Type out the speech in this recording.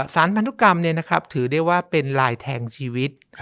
สารพันธุกรรมเนี่ยนะครับถือได้ว่าเป็นลายแทงชีวิต